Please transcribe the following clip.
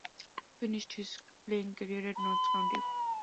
He finished his playing career at Notts County.